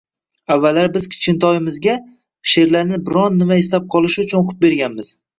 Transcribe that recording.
Avvallari biz kichkintoyimizga sheʼrlarni biron nima eslab qolishi uchun o‘qib berganmiz.